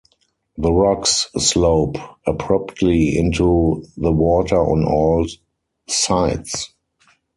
The rocks slope abruptly into the water on all sides.